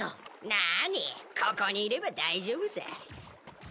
なにここにいれば大丈夫さ。